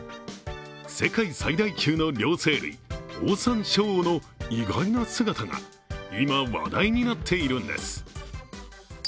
世界最大級の両生類、オオサンショウウオの意外な姿が今、話題になっているんです。